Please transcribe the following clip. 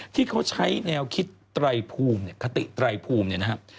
ที่เขาใช้แนวคิดไตรภูมิเนี่ยคติไตรภูมิเนี่ยนะครับ